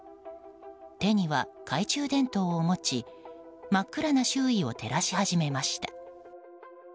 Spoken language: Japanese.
手には懐中電灯を持ち真っ暗な周囲を照らし始めました。